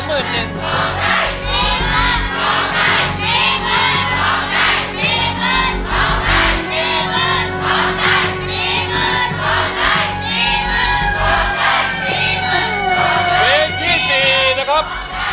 เพลงที่๔นะครับ